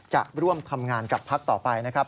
จะร่วมทำงานกับพักต่อไปนะครับ